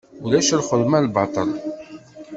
Ulac lxedma n baṭel.